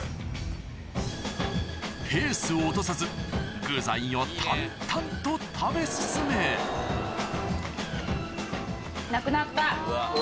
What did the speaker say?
ペースを落とさず具材を淡々と食べ進めなくなった。